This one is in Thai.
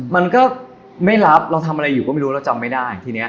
มันก็ไม่รับเราทำอะไรอยู่ก็ไม่รู้เราจำไม่ได้ทีนี้